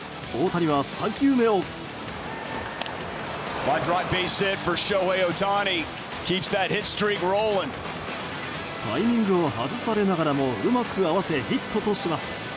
タイミングを外されながらもうまく合わせヒットとします。